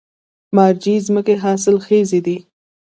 مارجې ځمکې حاصلخیزه دي؟